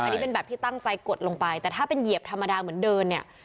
อันนี้เป็นแบบที่ตั้งใจกดลงไปแต่ถ้าเป็นเหยียบธรรมดาเหมือนเดินเนี่ย